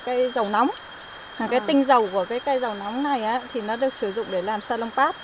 cây dầu nóng cái tinh dầu của dầu nóng này được sử dụng để làm xa lông past